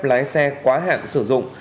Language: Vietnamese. lái xe quá hạn sử dụng